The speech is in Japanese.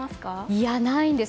いや、ないんです。